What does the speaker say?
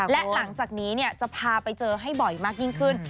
และหลังจากนี้จะพาไปเจอให้บ่อยมากยิ่งขึ้น